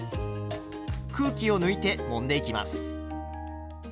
空気を抜いてもんでいきます。